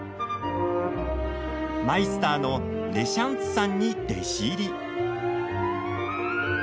マイスターのレシャンツさんに弟子入り。